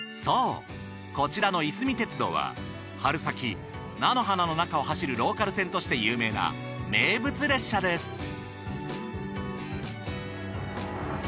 そうこちらのいすみ鉄道は春先菜の花の中を走るローカル線として有名な名物列車です。